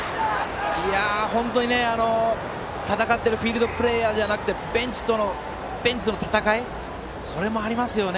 本当にね、戦っているフィールドプレーヤーじゃなくてベンチとの戦いもありますよね。